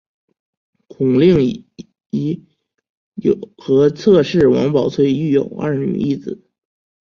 孔令贻和侧室王宝翠育有二女一子。